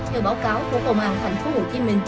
theo báo cáo của công an tp hcm